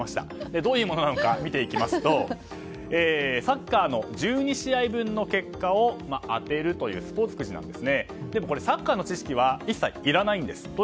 ＭＥＧＡＢＩＧとはどういうものなのか見ていきますとサッカーの１２試合分の結果を当てるというスポーツくじなんですですがサッカーの知識は一切いらないんです。